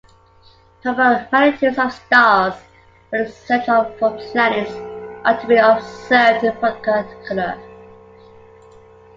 Variable magnitudes of stars for the search for planets are to be observed in particular.